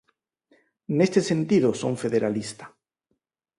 Neste sentido son federalista.